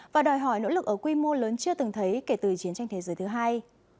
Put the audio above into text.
và đòi hỏi nỗ lực ở quy mô lớn chưa từng thấy kể từ chiến tranh thế giới thứ hai